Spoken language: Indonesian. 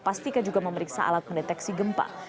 pastika juga memeriksa alat mendeteksi gempa